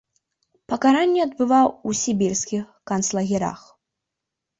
Пакаранне адбываў ў сібірскіх канцлагерах.